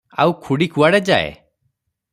ଆଉ ଖୁଡ଼ି କୁଆଡ଼େ ଯାଏ ।